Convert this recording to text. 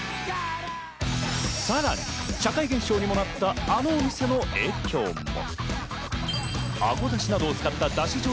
さらに社会現象にもなった、あのお店の影響も。